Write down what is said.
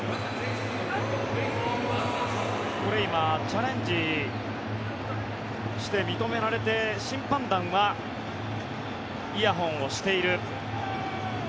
これは今チャレンジして認められて審判団はイヤホンをしている。